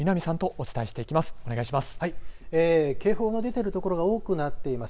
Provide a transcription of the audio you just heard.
お願いします。